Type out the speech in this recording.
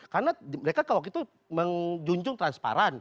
karena mereka kalau gitu menjunjung transparan